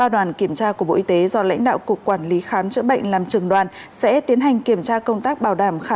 ba đoàn kiểm tra của bộ y tế do lãnh đạo cục quản lý khám chữa bệnh làm trường đoàn sẽ tiến hành kiểm tra công tác bảo đảm